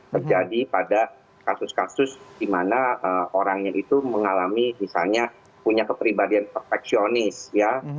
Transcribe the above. terjadi pada kasus kasus di mana orangnya itu mengalami misalnya punya kepribadian perfeksionis ya